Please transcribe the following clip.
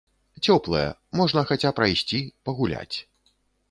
Цёплая, можна хаця прайсці, пагуляць.